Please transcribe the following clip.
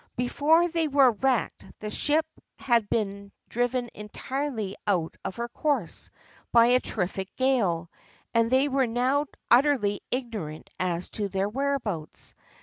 Before they were wrecked the ship had been driven entirely out of her course by a terrific gale, and they were now utterly ignorant as to their whereabouts.